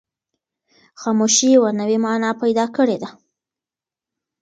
خاموشي یوه نوې مانا پیدا کړې ده.